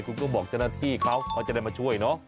คุณก็บอกเจ้าหน้าที่เขาเขาจะได้มาช่วยเนอะ